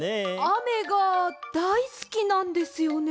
あめがだいすきなんですよね？